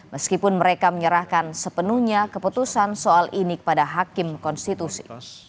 meskipun mereka menyerahkan sepenuhnya keputusan soal ini kepada hakim konstitusi